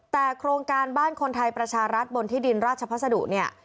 แต่โครงการบ้านคนไทยประชารัฐบนที่ดินราชพัสดุเนี่ย